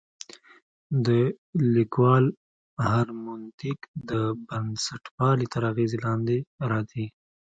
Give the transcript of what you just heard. د لیکوال هرمنوتیک د بنسټپالنې تر اغېز لاندې راځي.